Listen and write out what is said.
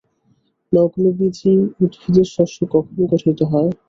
নগ্নবীজী উদ্ভিদের শস্য কখন গঠিত হয়?